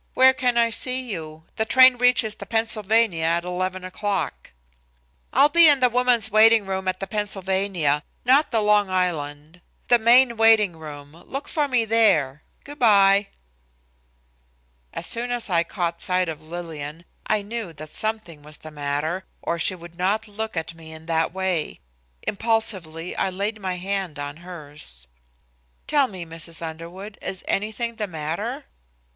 Where can I see you? The train reaches the Pennsylvania at 11 o'clock." "I'll be in the woman's waiting room at the Pennsylvania, not the Long Island; the main waiting room. Look for me there. Good by." As soon as I caught sight of Lillian I knew that something was the matter, or she would not look at me in that way. Impulsively I laid my hand on hers. "Tell me, Mrs. Underwood, is anything the matter?"